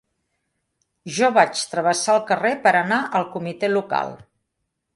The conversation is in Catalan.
Jo vaig travessar el carrer per anar al Comitè Local